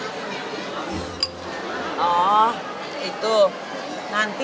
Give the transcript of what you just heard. tante ngajak kelara kesini mau ngapain ya tante